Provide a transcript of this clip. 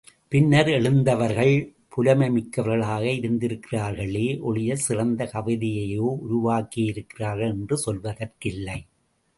பின்னர் எழுந்தவர்கள் புலமைமிக்கவர்களாக இருந்திருக்கிறார்களே ஒழிய சிறந்த கவிதையை உருவாக்கியிருக்கிறார்கள் என்று சொல்வதற்கில்லை.